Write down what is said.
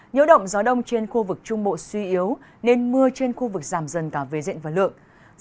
nhiễu động gió đông trên khu vực trung bộ suy yếu nên mưa trên khu vực giảm dần cả về diện và lượng